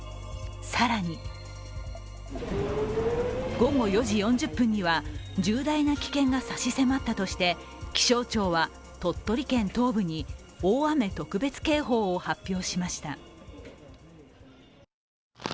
更に午後４時４０分には重大な危険が差し迫ったとして気象庁は鳥取県東部に大雨特別警報を発表しました。